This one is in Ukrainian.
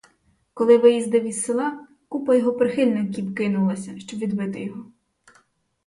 Коли виїздив із села, купа його прихильників кинулася, щоб відбити його.